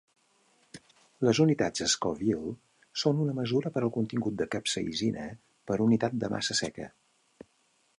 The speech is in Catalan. Les unitats Scoville són una mesura per al contingut de capsaïcina per unitat de massa seca.